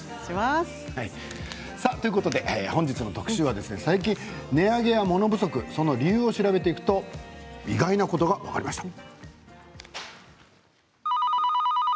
本日の特集は最近、値上げや物不足その理由を調べていくと意外なことが分かりました。